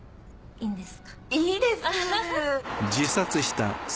いいです。